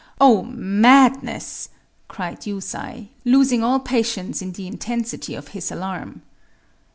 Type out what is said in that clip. "Oh, madness!" cried Yusai,—losing all patience in the intensity of his alarm.